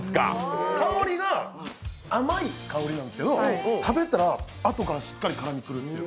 香りが甘い香りなんですけど、食べたら、あとからしっかり辛みが来るという。